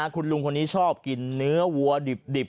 คุณลุงคนนี้ชอบกินเนื้อวัวดิบ